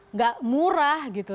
nggak murah gitu